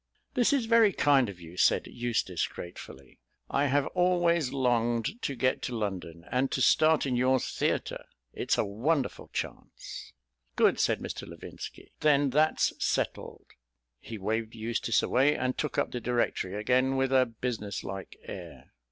"This is very kind of you," said Eustace gratefully. "I have always longed to get to London. And to start in your theatre! it's a wonderful chance." "Good," said Mr. Levinski. "Then that's settled." He waved Eustace away and took up the Directory again with a business like air.